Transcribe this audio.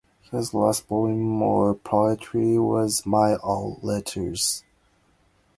His last volume of poetry was "My Old Letters".